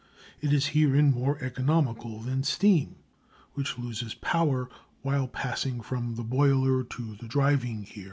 It is herein more economical than steam, which loses power while passing from the boiler to the driving gear.